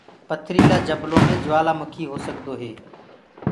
پٿريٚلآ جنلو مي جوآلآ مُڪي هوڪسدو هي۔